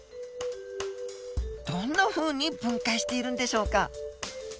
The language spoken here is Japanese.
どんなふうに分解しているんでしょうか？